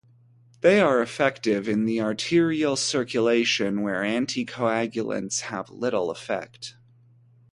They are effective in the arterial circulation, where anticoagulants have little effect.